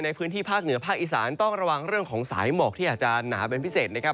ในพื้นที่ภาคเหนือภาคอีสานต้องระวังเรื่องของสายหมอกที่อาจจะหนาเป็นพิเศษนะครับ